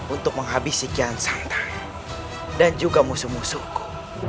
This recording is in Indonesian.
untuk menghabis sekian santan dan juga musuh musuhku